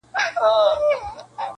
قانون هم کمزوری ښکاري دلته,